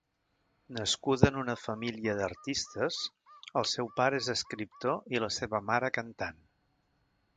Nascuda en una família d'artistes, el seu pare és escriptor i la seva mare cantant.